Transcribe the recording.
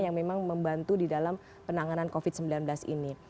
yang memang membantu di dalam penanganan covid sembilan belas ini